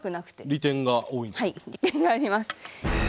利点があります。